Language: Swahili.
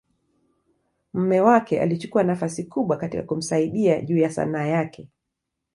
mume wake alichukua nafasi kubwa katika kumsaidia juu ya Sanaa yake.